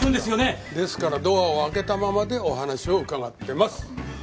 ですからドアを開けたままでお話を伺ってます。